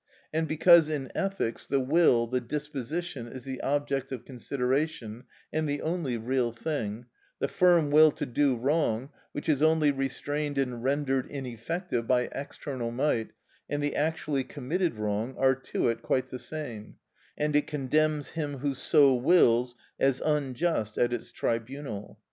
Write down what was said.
And because in ethics the will, the disposition, is the object of consideration, and the only real thing, the firm will to do wrong, which is only restrained and rendered ineffective by external might, and the actually committed wrong, are to it quite the same, and it condemns him who so wills as unjust at its tribunal.